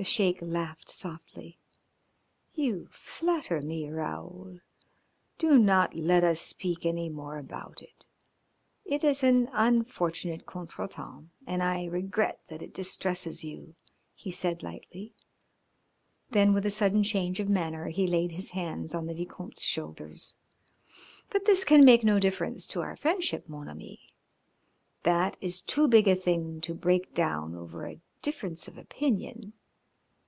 The Sheik laughed softly. "You flatter me, Raoul. Do not let us speak any more about it. It is an unfortunate contretemps, and I regret that it distresses you," he said lightly; then with a sudden change of manner he laid his hands on the Vicomte's shoulders. "But this can make no difference to our friendship, mon ami; that is too big a thing to break down over a difference of opinion.